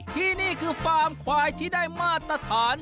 ที่นี่คือฟาร์มควายที่ได้มาตรฐาน